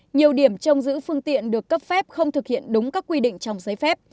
nhiều điểm trong giữ phương tiện được cấp phép không thực hiện đúng các quy định trong giấy phép